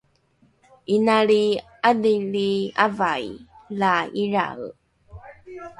inali ’adhili ’avai la ilrae